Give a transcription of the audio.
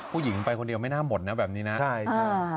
ผู้หญิงไปคนเดียวไม่น่าหมดนะแบบนี้นะใช่ใช่